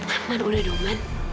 aman udah dong aman